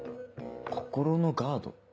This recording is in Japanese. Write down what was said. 心のガード？